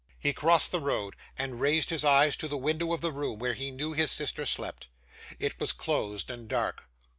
He crossed the road, and raised his eyes to the window of the room where he knew his sister slept. It was closed and dark.